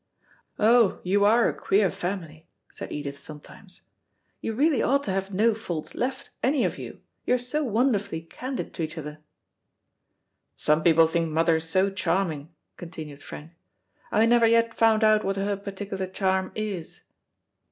"Oh, you are a queer family," said Edith sometimes. "You really ought to have no faults left, any of you, you are so wonderfully candid to each other." "Some people think mother so charming," continued Frank. "I never yet found out what her particular charm is."